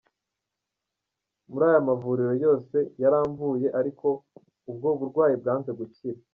Muri ayo mavuriro yose baramvuye ariko ubwo burwayi bwanze gukira.